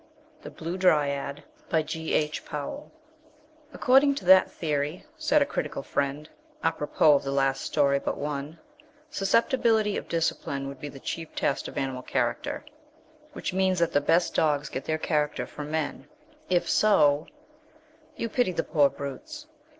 THE BLUE DRYAD "According to that theory" said a critical friend, à propos of the last story but one "susceptibility of 'discipline' would be the chief test of animal character, which means that the best dogs get their character from men. If so " "You pity the poor brutes?"